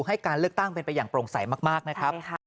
ให้การเลือกตั้งเป็นไปอย่างโปร่งใสมากนะครับ